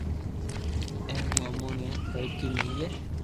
اي مون امون ني ترقي ملئي